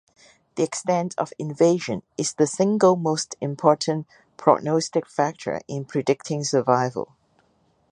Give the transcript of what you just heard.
The extent of invasion is the single most important prognostic factor in predicting survival.